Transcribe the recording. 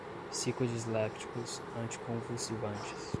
psicodislépticos, anticonvulsivantes